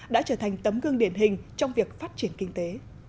đã trở thành một hình trong việc phát triển kinh tế